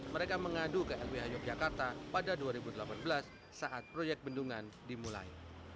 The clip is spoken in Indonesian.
mereka mengadu ke lbh yogyakarta pada dua ribu delapan belas saat proyek bendungan dimulai